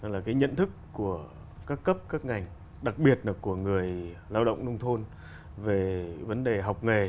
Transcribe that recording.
là cái nhận thức của các cấp các ngành đặc biệt là của người lao động nông thôn về vấn đề học nghề